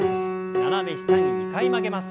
斜め下に２回曲げます。